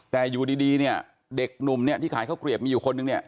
แต่อยู่ดีเนี่ยเด็กหนุ่มเนี่ยที่ขายข้าวเกลียบมีอยู่คนนึงเนี่ย